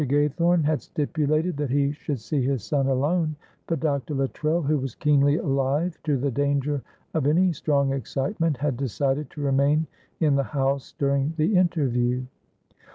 Gaythorne had stipulated that he should see his son alone, but Dr. Luttrell, who was keenly alive to the danger of any strong excitement, had decided to remain in the house during the interview.